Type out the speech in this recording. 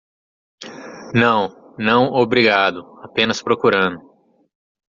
Não? não, obrigado? apenas procurando.